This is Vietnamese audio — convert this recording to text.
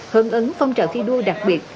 hương ứng phong trợ thi đua đặc biệt